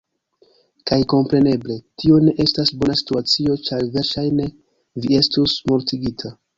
Kaj kompreneble, tio ne estas bona situacio, ĉar verŝajne, vi estus mortigita.